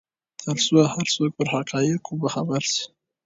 ترڅو هر څوک پر حقایقو خبر شي.